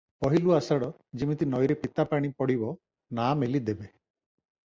ପହିଲୁ ଆଷାଢ଼, ଯିମିତି ନଈରେ ପିତାପାଣି ପଡ଼ିବ, ନାଆ ମେଲି ଦେବେ ।